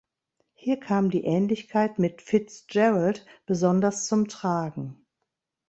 Hier kam die Ähnlichkeit mit Fitzgerald besonders zum Tragen.